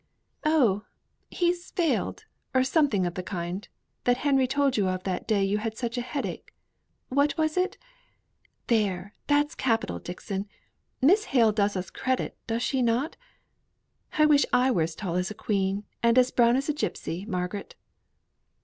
"Oh! he's failed, or something of the kind, that Henry told you of that day you had such a headache what was it? (There, that's capital, Dixon. Miss Hale does us credit, does she not?) I wish I was as tall as a queen, and as brown as a gipsy, Margaret."